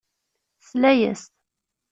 Tesla-as.